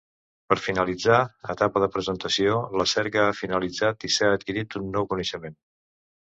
Per finalitzar -etapa de presentació- la cerca ha finalitzat i s'ha adquirit un nou coneixement.